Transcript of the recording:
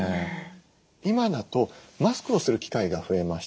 今だとマスクをする機会が増えました。